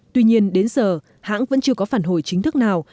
tuy nhiên đến giờ hãng vẫn chưa có phản hồi chính thức nào